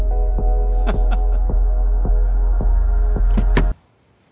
ハハハ。